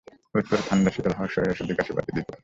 হুট করে ঠান্ডা শীতল হাওয়া শরীরে সর্দি কাশি বাঁধিয়ে দিতে পারে।